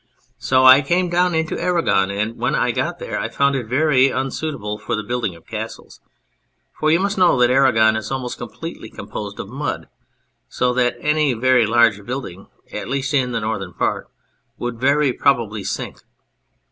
So I came down into Aragon, and when I got there I found it very unsuitable for the building of castles. For you must know that Aragon is almost completely com posed of mud, so that any very large building, at least in the northern part, would very probably sink.